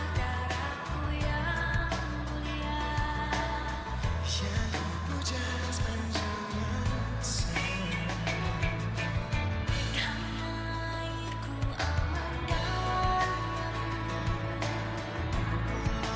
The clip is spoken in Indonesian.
mewakili panglima angkatan bersenjata singapura